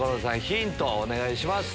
ヒントをお願いします。